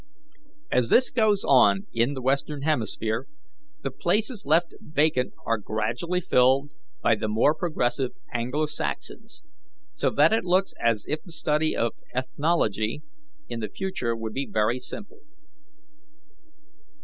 As this goes on, in the Western hemisphere, the places left vacant are gradually filled by the more progressive Anglo Saxons, so that it looks as if the study of ethnology in the future would be very simple.